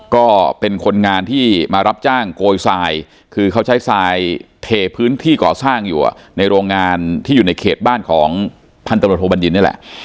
ก็เป็นคนงานที่มารับจ้างโกยทรายคือเขาใช้ทรายเทพื้นที่ก่อสร้างอยู่ในโรงงานที่อยู่ในเขตบ้านของพันตำรวจโทบัญญินนี่แหละ